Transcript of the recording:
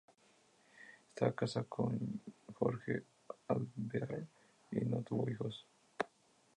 Estaba casada con Jorge Alvear y no tuvo hijos.